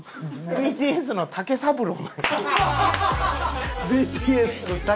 ＢＴＳの武三郎。